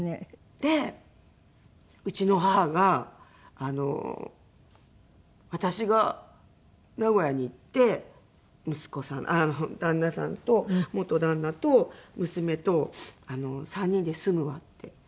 でうちの母が「私が名古屋に行って旦那さんと元旦那と娘と３人で住むわ」って。